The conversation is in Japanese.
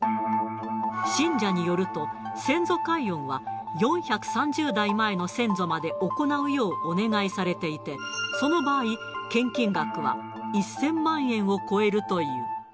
信者によると、先祖解怨は４３０代前の先祖まで行うようお願いされていて、その場合、献金額は１０００万円を超えるという。